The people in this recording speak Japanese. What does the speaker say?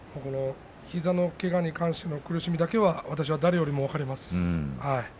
膝のけがに対する苦しみだけは私は誰よりも分かります。